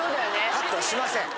カットしません。